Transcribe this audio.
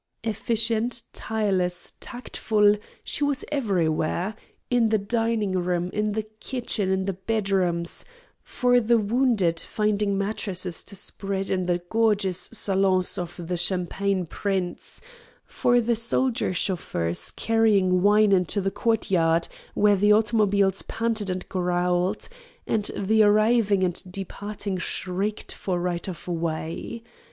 Efficient, tireless, tactful, she was everywhere: in the dining room, in the kitchen, in the bedrooms, for the wounded finding mattresses to spread in the gorgeous salons of the champagne prince; for the soldier chauffeurs carrying wine into the courtyard, where the automobiles panted and growled, and the arriving and departing shrieked for right of way.